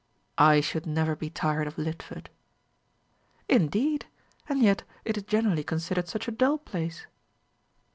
"I should never be tired of Lidford." "Indeed! and yet it is generally considered such a dull place."